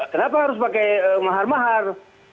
kenapa harus pakai mahar mahar